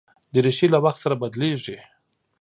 دریشي له وخت سره بدلېږي.